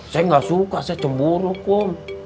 saya enggak suka saya cemburu kum